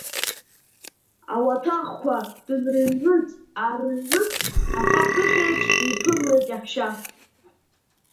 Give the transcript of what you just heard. Ауаҭахқәа дынрыҩныс-аарыҩныст, аха ԥыхьеиԥш диԥымлеит иаҳәшьа.